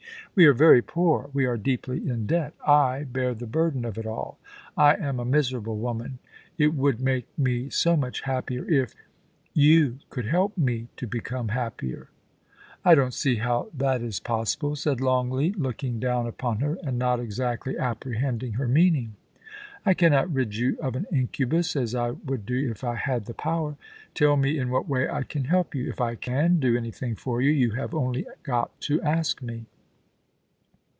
... We are very poor; we are deeply in debt / bear the burden of it all. I am a miserable woman. ... It would make me so much happier if You could help me to become happier.' ' I don't see how that is possible,' said Longleat, looking down upon her, and not exactly apprehending her meaning. * I cannot rid you of an incubus, as I would do if I had the power. Tell me in what way I can help you. If I can do anything for you, you have only got to ask me.'